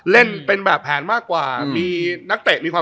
เล่นเป็นแบบแผนมากกว่า